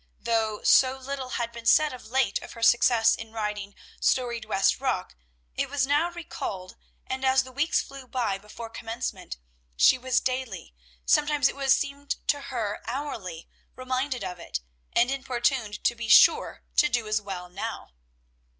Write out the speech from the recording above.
Though so little had been said of late of her success in writing "Storied West Rock," it was now recalled; and, as the weeks flew by before commencement, she was daily, sometimes it seemed to her hourly, reminded of it, and importuned to be sure and do as well now.